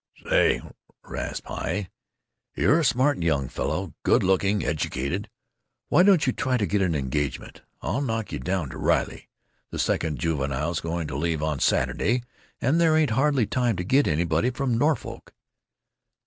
"Say," rasped Heye, "you're a smart young fellow, good looking, ejucated. Why don't you try to get an engagement? I'll knock you down to Riley. The second juvenile 's going to leave on Saturday, and there ain't hardly time to get anybody from Norfolk."